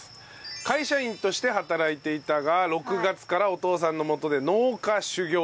会社員として働いていたが６月からお父さんの下で農家修業中。